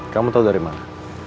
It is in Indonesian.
kamu tahu dari mana